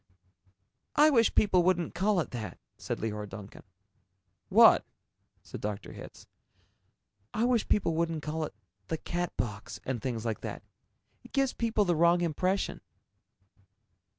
"I wish people wouldn't call it that," said Leora Duncan. "What?" said Dr. Hitz. "I wish people wouldn't call it 'the Catbox,' and things like that," she said. "It gives people the wrong impression."